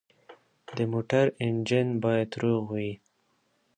د موټر انجن باید روغ وي.